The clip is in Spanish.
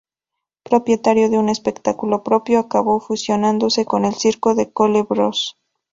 Propietario de un espectáculo propio, acabó fusionándose con el Circo Cole Bros.